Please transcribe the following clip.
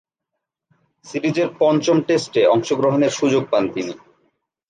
সিরিজের পঞ্চম টেস্টে অংশগ্রহণের সুযোগ পান তিনি।